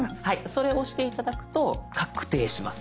それ押して頂くと確定します。